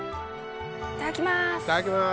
いただきます！